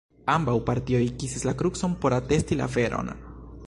Ambaŭ partioj kisis la krucon por atesti la veron.